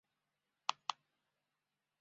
该城市是阿拉斯加州中央东部的城市。